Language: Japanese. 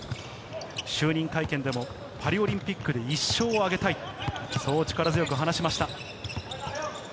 就任会見でもパリオリンピックで１勝を挙げたいと、そう力強く話しました。